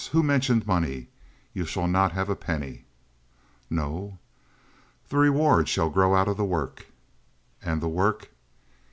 Who mentioned money? You shall not have a penny!" "No?" "The reward shall grow out of the work." "And the work?"